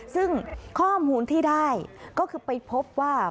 ซึ่งข้อมูลที่ได้ก็คือไปพบว่า